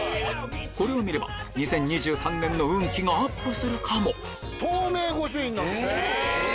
これを見れば２０２３年の運気がアップするかも透明ご朱印なんです。